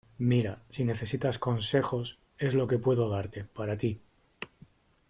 mira, si necesitas consejos , es lo que puedo darte , para ti.